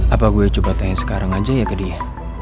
apa gue coba tanya sekarang aja ya ke dia